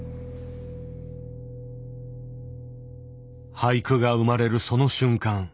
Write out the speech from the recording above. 俳句が生まれるその瞬間。